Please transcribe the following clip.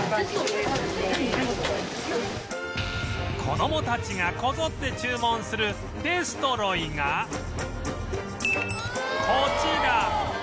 子どもたちがこぞって注文するデストロイがこちら